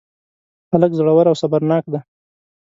هلک زړور او صبرناک دی.